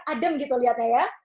adem gitu lihatnya ya